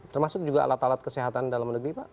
termasuk juga alat alat kesehatan dalam negeri pak